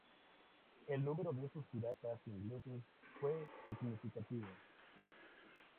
El número de estos piratas ingleses fue significativo.